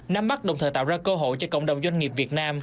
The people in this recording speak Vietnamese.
năm bắt đồng thời tạo ra cơ hội cho cộng đồng doanh nghiệp việt nam